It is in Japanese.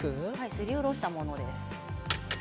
すりおろしたものです。